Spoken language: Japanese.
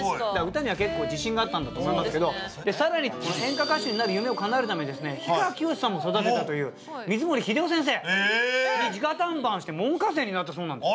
歌には結構自信があったんだと思いますけど更に演歌歌手になる夢をかなえるために氷川きよしさんも育てたという水森英夫先生に直談判して門下生になったそうなんです。